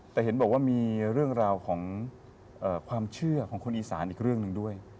แต่เห็นบอกว่ามีเรื่องราวของความเชื่อของคนอีสานอีกเรื่องหนึ่งด้วย